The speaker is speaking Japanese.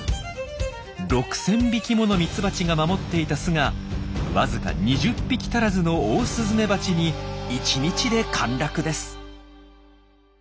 ６，０００匹ものミツバチが守っていた巣がわずか２０匹足らずのオオスズメバチに１日で陥落です。